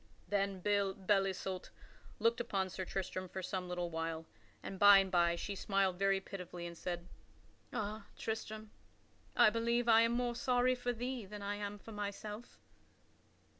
Then Belle Isoult looked upon Sir Tristram for some little while, and by and by she smiled very pitifully and said: "Ah, Tristram, I believe I am more sorry for thee than I am for myself."